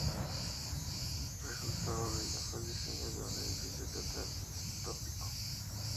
Resultado de ello fue el diseño de un edificio teatral utópico.